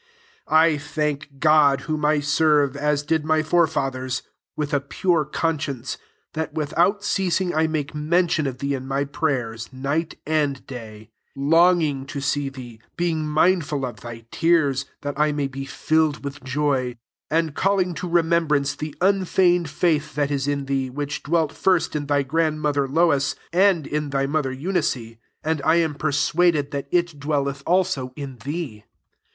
3 1 THANK God, whom I serve, as did my forefathers, with a pure conscience, that without ceasing I make mention of thee in my prayers night and day ; 4 longing to see thee, being mindful of thy tears, that I may be filled with joy ; 5 and calling to remembrance the unfeigned faith that is in thee, which dwelt first in thy grandmother Lois, and in thy mother Eunic^ and I am persuaded that fV dwelleth also in thee.